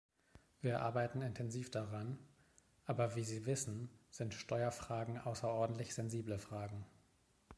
Wir arbeiten intensiv daran, aber wie Sie wissen, sind Steuerfragen außerordentlich sensible Fragen.